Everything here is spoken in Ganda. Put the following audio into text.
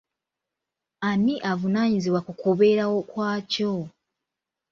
Ani avunanyizibwa ku kubeerawo kwakyo?